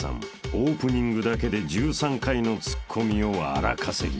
オープニングだけで１３回のツッコミを荒稼ぎ］